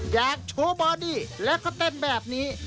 อยากโชว์บอดี้แล้วก็เต้นแบบนี้